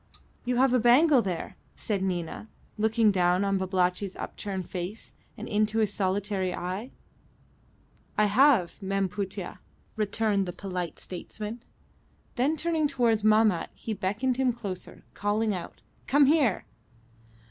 "You have a bangle there," said Nina, looking down on Babalatchi's upturned face and into his solitary eye. "I have, Mem Putih," returned the polite statesman. Then turning towards Mahmat he beckoned him closer, calling out, "Come here!"